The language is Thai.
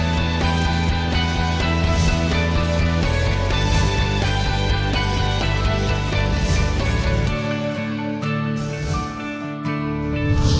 ที่จะช่วยเกิดสุขของคุณ